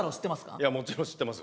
いやもちろん知ってますよ